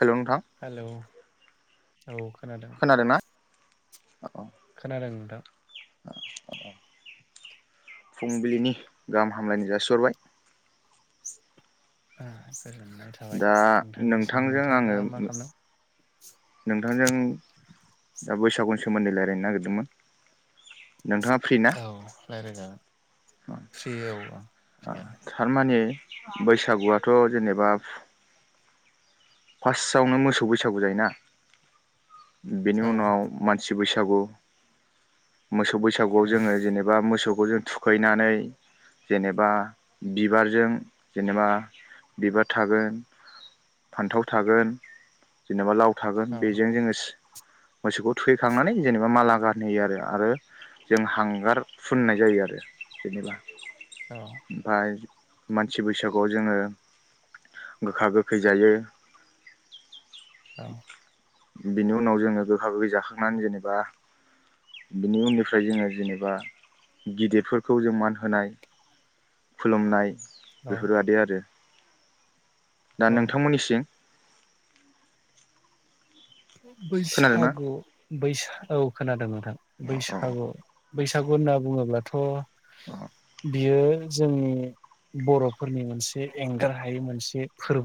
हेल' नोंथां हेलौ औ खोनादों खोनादोंना औ खोनादों [inaudible] फुंबिलिनि गाहाम हामलायनाय जासिहरबाय। [inaudible] गोजोननाय थाबाय दा नोंथांनिसिम नोंथांजों नोंथाङा आङो दा मा खालामदों? नोंथांजों दा बैसागुनि सोमोन्दै रायलायनो नागिरदोंमोन। नोंथाङा फ्रि ना औ रायलायजागोन फ्रि औ ओं फ्रियानो। थारमाने बैसागुआथ' जेनेबा फास्टआवनो मोसौ बैसागु जायोना बेनि औ उनाव मानसि बैसागु मोसौ बैसागुआव जोङो जेनेबा मोसौ खौ जों थुखैनानै जेनेबा बिबारजों जेनेबा बिबार थागोन फान्थाव थागोन जेनेबा लाव थागोन औ बेजों जोङो सि मोसौखौ थुखैखांनानै जेनेबा माला गानहोयो आरो आरो जों हांगार फुननाय जायो आरो जेनेबा। ओमफाय मानसि बैसागुआव जोङो गोखा गोखै जायो। औ बिनि उनाव जोङो गोखा गोखै जाखांनानै जेनेबा बिनि उननिफ्राय जोङो जेनेबा गिदिरफोरखौ जों मान होनाय खुलुमनाय औ बेफोरबादि आरो दा औ नोंथांमोननिसिं खोनादोंना बैसागु बैसा औ खोनादों नों थां बैसागु बैसागु होनना बुङोब्लाथ अ बियो जोंनि बरफोरनि मोनसे एंगार हायै मोनसे फोर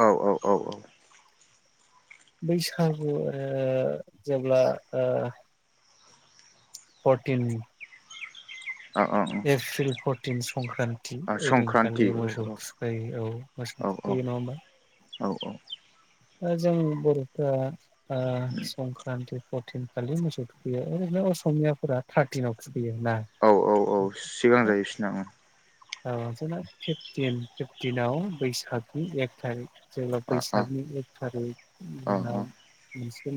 औ औ औ औ बैसागु ओ जेब्ला ओ परटिन औ औ एप्रिल परट थिनस संक्रान्ति औ संक्रान्ति ओइदिनखालि मोसौ औ थुखायो औ संक्रान्ति मोसौ औ औ थुखैयो नङा होमबा? औ औ दा जों बरफ्रा ओ संक्रान्ति फरटिन खालि मोसौ थखैयो ओरैनो असमियाफोरा थार्टिनाव थुखैयो ना औ औ औ सिगां जायो इसिना उम औ जोंना फिफटिन फिफटिनाव बैसागनि एक थारिख जेब्ला अ अ बैसागनि एक थारिख अ दिनाव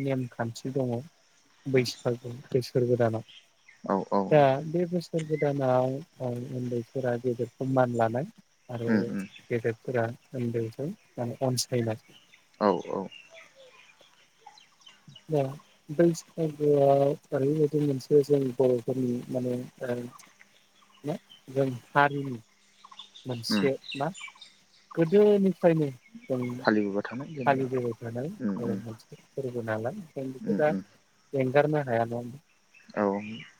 नेमखान्थि दङ बैसागु बैसागु बोसोर गोदानाव औ औ दा बे बोसो बोसोर‌ गोदानाव औ उन्दैफोर उन्दैफ्रा गेदेर खौ मान लानाय। आरो उम उम गदेरफोरा- उन्दैखौ माने अनसायनाइ औ -औ! दा बैसागागुआव ओरैबायदि मोनसे जों बर'फोरनि माने ओ ना जों हारिनि- उम मोनसे मा- गोदोनि- फ्रायनो जों फालिबोबाय थानाय जेनेबा फालिबोबाय थानाय उम उम आरो मोनसे फोरबो नालाय जों बेखौ उम दा उम एंगारनो- हाया न होनबा औ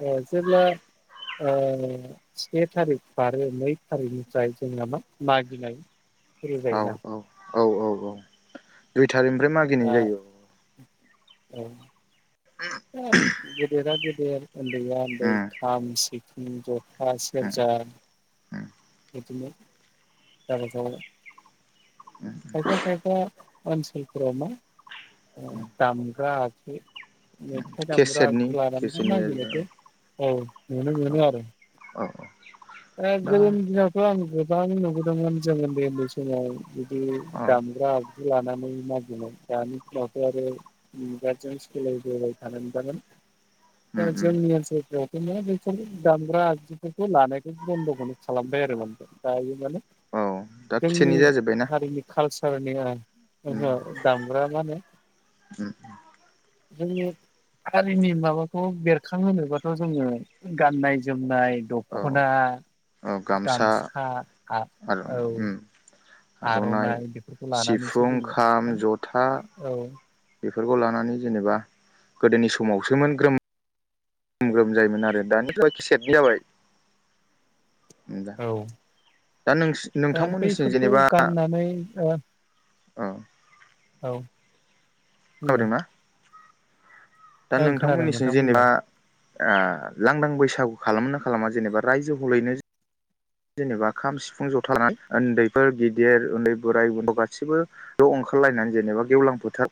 ओ जेब्ला- ओ से थारिख आरो‌ नै‌ थारिखनिफ्राय जोंना मा मागिनाय- सुरु औ -औ! जायोना औ- औ -औ दुइ थारिखनिफ्राय मागिनाय जायो। औ! गेदेरा‌ गेदेर दे उन्दै आ उन्दै उम खाम सिफुं उम दे आ उम सेरजा- उम [unintelligible] खायफा खायफा मानसिफ्रा मा ओ‌ दामग्रा आगजु मेथाइ दामग्रा केसेटनि जुलाारानखौ केसेटनि जाहैबाय नायागिरनायखौ औ। नुनो औ मोनो आरो। औ औ! दा [unintelligible] गोबां नुबोदोंमोन जों उन्दै उन्दै समाव बिदि औ दामग्रा आगजु लानानै मागिनाय दानि समनावथ' आरो मुगाजों सोलायबोबाय थानाय नजागोन दा उम उम जोंनि ओनसोलफ्रावथ' मा बेफोर दामग्रा आगजुफोरखौ लानाय बन्द'खौ खालामबाय आरो माने दायो माने औ दा जोंनि केसेटनि जाजोब्बायना हारिनि कालसार हारनिया उम ओंहो दामग्रा मा होनो उम जोंनि हारिनि माबाखौ बेरखांहोबाथ' जोङो गाननाय जोमनाय दख औ ख'ना गामसा आ आरो औ! उम आर'नाइ बेफोरखौ लानानैसो सिफुं जोङो खाम जथा औ बेफोरखौ लानानै जों जेनेबा गोदोनि समावसोमोन ग्रोम ग्रोम ग्रोम जायोमोन आरो दानि खिसेट जाबाय। दा औ दा नोंसि दा नोंथांमोननिसिम बैफोरखौ जेनेबा औ गाननानै औ। बुंलाय खोनादों ना? दा ओं खोनादों नोंथांमोननिसिम नोंथां जेनेबा बुंलाय ओ लांदां बैसागु खालाम ना खालामा जेनेबा रायजो हलैनो जेनेबा खाम सिफुं जथानानै उन्दैफोर गिदिर उन्दै बोराइ गासैबोल' ओंखारलायनानै जेनेबा गेवलां फोथार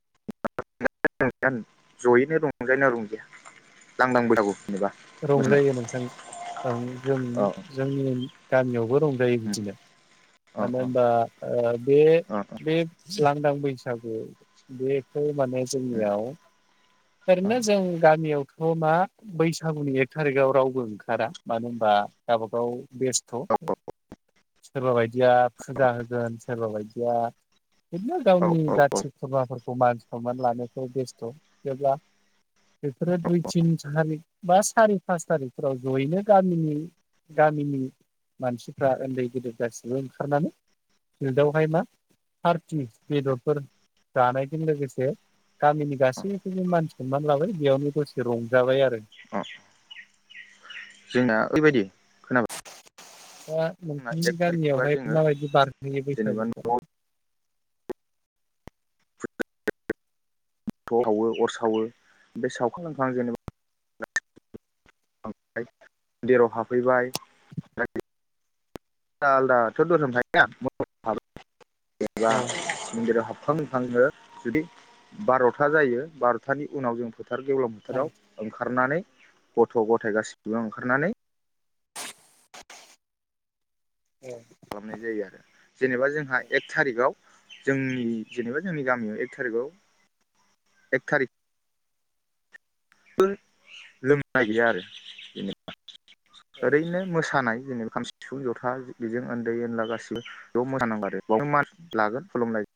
[inaudible] मोसानाय रंजायो नोंथां जों औ जोंनि गामियावबो रंजायो बिदिनो औ मानो होनबा बे बे लांदां बैसागो बेथ' माने जोंनियाव औ ओरैनो जों जोंनियावथ' मा बैसागुनि एक थारिकआव रावबो ओंखारा मानो होनबा गावबागाव बेस्थ' सोरबा बायदिया फुजा होगोन सोरबा बायदिया बेदिनो गावनि जाथि खुरमाफोरखौ मान सनमान लानोसो बेस्थ' जेब्ला बेफोरो दुइ तिन थारिख बा सारि पास थारिखफोराव जयैनो गामिनि गामिनि मानसिफ्रा उन्दै गेदेर गासिबो ओंखारनानै जदावहाय मा पार्टि बेदरफोर जानायजों लोगोसे गामिनि औ गासै बो मानसि सननानै लाबाय बेयावनो दसे रंजाबाय आरो। औ जोंना ओरैबायदि खोनाबाय हा [unintelligible] जोंना नोंथांनि एक थारिखबा गामियावहाय जोङो माबायदि बारहोयो जेनेबा बैसागुखौ? न'आव [inaudible] थ' सावो अर सावो बेम सावखां लोंखां जेनेबा [inaudible] मन्देराव हाबहैबाय [unintelligible] आलदा आलदाथ' दोरोम थायोना [unintelligible] जेनेबा मन्दिराव हाबखां [unintelligible] नो जुदि बार'था जायो बार'थानि उनाव जों फो बोथार गेवलां बोथोराव ओंखारनानै गथ' गथायाइ गासिबो ओंखारनानै खालामनाय जायो आरो जेनेबा जोंहा एक थारिखआव जोंनि जेनेबा जोंनि गामियाव एक थारिखआव एक थारिख लोंनाय गैया आरो जेनेबा ओरैनो मोसानाय जेनेबा खाम सिफुं जथा बेजों उन्दै उनला गाससिबो ज' मोसानांगौ आरो बावनो मास लागोन खुलुमनाय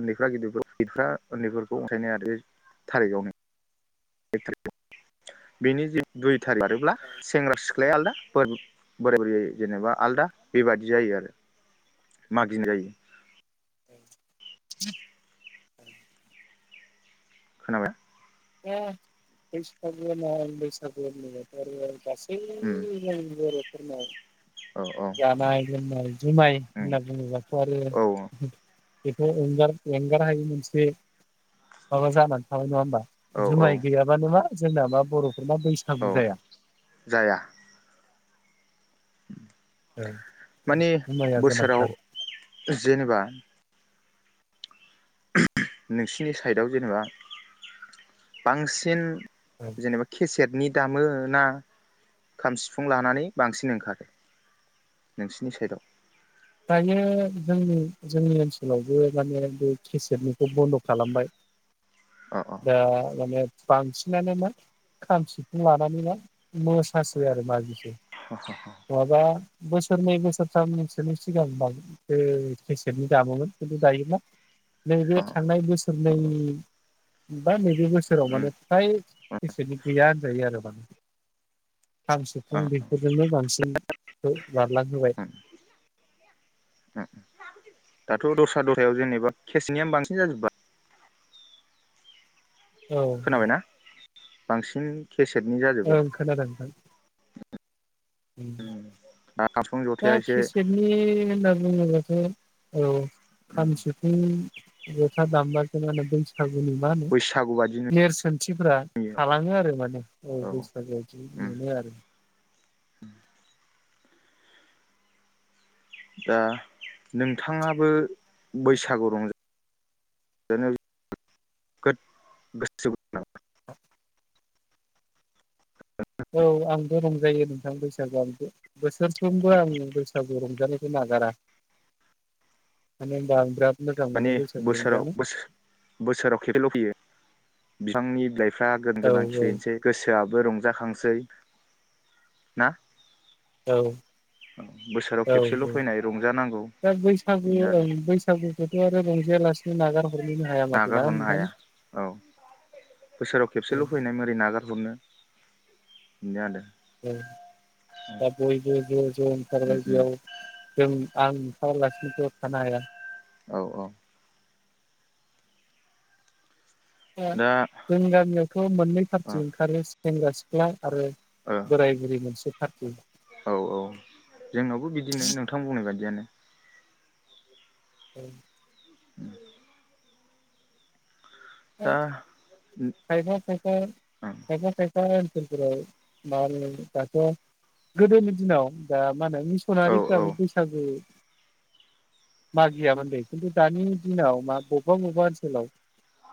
उन्दैफ्रा गिदिर गिदिरफ्रा उन्दैफोरखौ अनसायनाय आरो बे थारिखआवनो [unintelligible] बिनि जि दुइ बारोब्ला सेंग्रा सिख्लाया आलदा बोराय बुरै जायो जेनेबा आलदा बेबादि जायो आरो मागिन जायो। [inaudible] खोनाबायना [unintelligible] [unintelligible] फोरनाव उम औ औ जानाय लोंनाय जुमाय उम होनना बुङोबाथ' आरो औ बेथ' एंगार एंगार हायि मोनसे माबा जानानै थाबाय नङा होमबा? औ औ जुमाइ गैयाबानो मा सोरनाबा बर' एबा बैसागु औ जाया जाया माने जुमाइखौ बोसोराव गोनांथार जेनेबा नोंसिनि साइडआव जेनेबा बांसिन जेनेबा खेसेटनि दामो ना खाम सिफुं लानानै बांसिन ओंखारो नोंसिनि साइदआव दायो जोंनि जोंनि ओनसोलावबो माने बे केसेटनिखौ बन्द' खालामबाय अ अ दा माने बांसिनानो मा खाम सिफुं लानानै मा मोसासै आरो मागि नङाबा बोसोरनै बोसोरथाम नो सिगां [unintelligible] केेसेटनि दामोमोन खिन्थु दायो मा नैबे थांनाय बोसोरनै बा नै बे बोसोराव उम माने फ्राय केसेटनि गैया होनजायो आरो ना खाम अ सिफुं बेफोरजोंनो बांसिनखौ बारलां होबाय ओ दाथ' दस्रा दस्रायाव जेनेबा केसटनिया बांसिन जाजोब्बाय। औ औ। खोनाबायना बांसिन केसेटनि जाजोब्बाय ओं खोनादों। जाबस्रिं दा जथाया एसे खेसेतनि होनना बुङो औ औ। खाम सिफुं ज'था दामबासो मा होनो बैसा बैसागुनि मा होनो बैसागु बादि नेरसोन खानथिफोरा नुयो थालाङो आरो माने। औ बैसागुयाव बिदि मोनो आरो। [inaudible] दा नोंथाङाबो बैसागु रंजा रंजानायाव गोसो दं नामा? [inaudible] [inaudible] औ आं आंबो रंजायो नोंथां बैसागुआव बोसोरफ्रोमबो आंनि बैसागु रंजानायखौ नागारा मानो होनबा आं बिराद मोजां मोनो मानि बैसागु बोसोराव रंजानो बोसोर बोसोराव खेबसेल' फैयो। बिफांनि लाइफ फ्रा गोदान औ गोदान खिलिनोसै गोसोआ बो रंजाखांसै ना? औ बोसोराव औ खेबसेल' औ फैनाय रंजानांगौ दा बैसागु बिदिनो ओ आरो बैसागुखौ [unintelligible] आरो रंजाया लासिनो नागार हरनोनो हाया माथो ना नागारहरनो नोंथां? हाया औ बोसोराव औ खेबसेल' फैनाय मारै नागार [unintelligible] बिनो आरो। औ दा बयबो ज' ज' उम उम ओंखारबायब्ला जों आं ओंखारालासिनोथ' थानो हाया। औ औ। दा [unintelligible] जोंनि गामियावथ' मोननै फारथि ओंखारो। सेंग्रा सिख्ला आरो औ बोराय बुरै मोनसे [unintelligible] औ औ जोंनावबो बिदिनो नोंथां बुंनाय बादियानो। औ। [inaudible] [unintelligible] दा खायफा खायफा खायफा खाइफा ओनसोलफोराव मा होनो दाथ' गोदोनि दिनाव दा मा होनो औ औ मिसनारिफोराबो बैसागु मा गैयामोन दे खिन्थु दानि दिनाव मा बबेबा बबेबा ओनसोलाव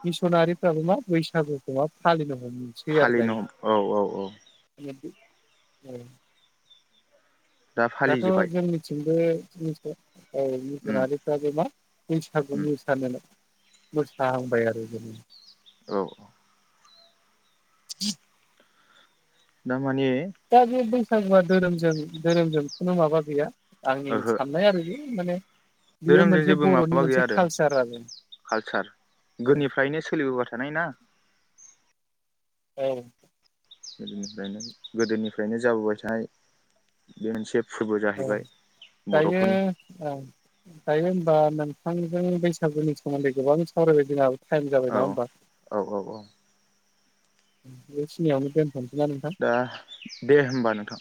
मिसनारिफ्राबो मा बैसागुखौ मा फालिनो ह फालिनो हम औ औ औ। [inaudible] दा दाथ' फालिजोब्बाय जोंनिथिंबो [unintelligible] औ उम मजुनारिफ्राबो मा बैसागु उम मोसानो मोसाहांबाय आरो [unintelligible] औ औ। [unintelligible] दा माने सागुआ धोरोमजों धोरोमजों खुनु माबा गैया आंनि ओहो साननाय आरो बे माने बियो धोरोमजों मोनसे जेबो बर'नि माबा‌ गैया मोनसे आरो कालसार आरो कालसार औ गोदोनिफ्रायनो सोलिबोबाय थानाय ना। औ। गोदोनिफ्रायनो गोदोनिफ्रायनो जाबोबाय थानाय बे मोनसे फोरबो औ जाहैबाय दायो बर'फोरनि औ दायो बा नोंथांजों बैसागुनि सोमोन्दै गोबां सावरायबाय जों टाइम जाबाय औ नङा होमबा? औ औ औ बेखिनिआवनो दोन दा दे होमबा नोंथां।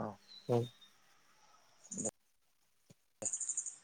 औ। औ। [inaudible]